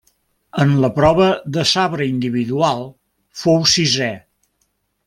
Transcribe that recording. En la prova de sabre individual fou sisè.